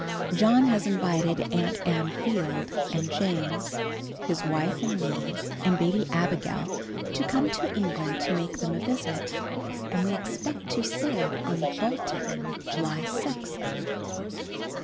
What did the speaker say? _ John has invited Aunt Ann Field, and James, his wife and me and Babe Abigail to come to England to make them a visit, and we expect to sail on the Baltic July sixth.